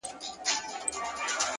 هره ورځ د پرمختګ امکان لري!.